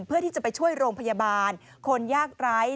เพื่อที่จะไปช่วยโรงพยาบาลคนยากไร้